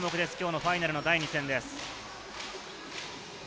ファイナルの第２戦です。